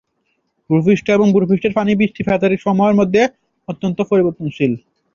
ভূপৃষ্ঠ এবং ভূপৃষ্ঠের পানি বৃষ্টিপাতের সময়ের মধ্যে অত্যন্ত পরিবর্তনশীল।